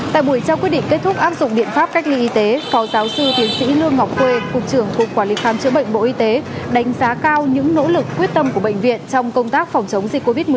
tại buổi trao quyết định kết thúc áp dụng biện pháp cách ly y tế phó giáo sư tiến sĩ lương ngọc khuê cục trưởng cục quản lý khám chữa bệnh bộ y tế đánh giá cao những nỗ lực quyết tâm của bệnh viện trong công tác phòng chống dịch covid một mươi chín